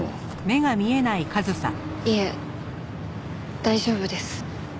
いえ大丈夫です。